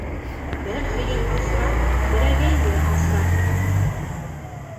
Бер һыйыр аҫра, берәгәйле аҫра.